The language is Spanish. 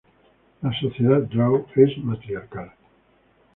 La sociedad drow es matriarcal.